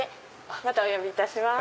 またお呼びいたします。